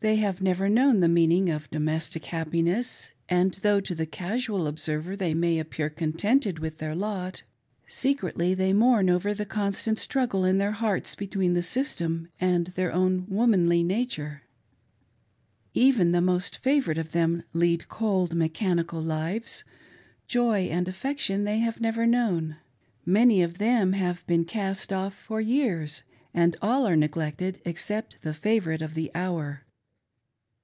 They have never known the meaning of domestic happiness, and though to the casual observer they may appear contented with their lot, secretly they mourn over the constant struggle in their hearts between the system and their own womanly nature. Even the most favored of thera lead cold, mechanical lives ; joy and affection they have never known. Many of them have been cast off for years, and all are neglected except the favorite, of the hour.